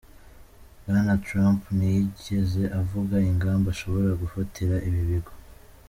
Bwana Trump ntiyigeze avuga ingamba ashobora gufatira ibi bigo.